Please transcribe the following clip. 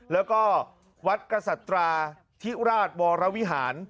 แล้วก็วัดกษัตราธิราชวรวิหาร